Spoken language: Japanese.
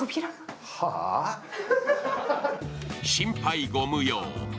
心配ご無用。